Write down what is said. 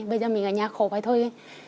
bây giờ mình ở nhà khổ phải thôi